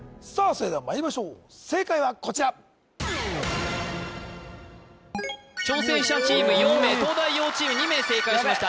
それではまいりましょう正解はこちら挑戦者チーム４名東大王チーム２名正解しました